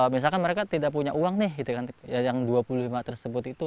misalkan mereka tidak punya uang nih yang dua puluh lima tersebut itu